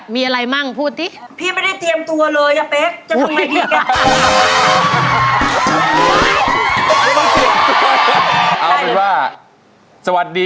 มีอะไรบ้างพูดสิ